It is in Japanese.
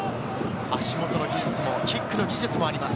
足元の技術もキックの技術もあります。